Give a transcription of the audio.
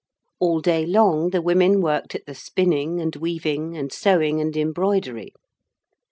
All day long the women worked at the spinning and weaving and sewing and embroidery.